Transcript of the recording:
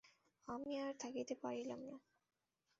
আমি আর থাকিতে পারিলাম না।